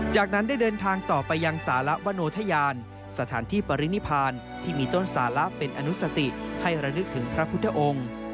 จากนั้นได้เดินทางต่อไปยังสารวโนธยานสถานที่ปรินิพานที่มีต้นสาระเป็นอนุสติให้ระลึกถึงพระพุทธองค์